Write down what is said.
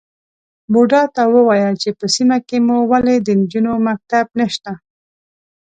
_بوډا ته ووايه چې په سيمه کې مو ولې د نجونو مکتب نشته؟